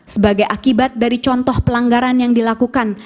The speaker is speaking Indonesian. sebagai akibat dari contoh pelanggaran yang dilakukan